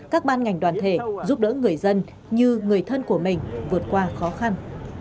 các ban ngành đoàn thể giúp đỡ người dân như người thân của mình vượt qua khó khăn